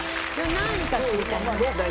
何位か知りたいな。